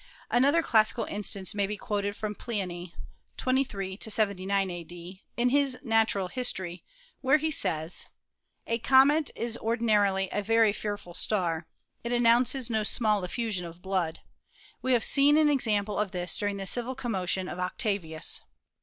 Another classical instance may be quoted from Pliny (23 79 A D m ms "Natural History" where he says: "A comet is ordinarily a very fearful star; it an nounces no small effusion of blood. We have seen an example of this during the civil commotion of Octavius."